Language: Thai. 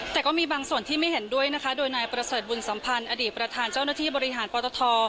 แต่ก็มีบางส่วนที่ไม่เห็นด้วยนะคะโดยนายประเสริฐบุญสัมพันธ์อดีตประธานเจ้าหน้าที่บริหารปตท